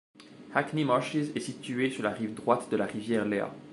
Hackney Marshes est situé sur la rive droite de la rivière Lea.